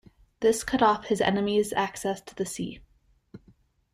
This cut off his enemies' access to the sea.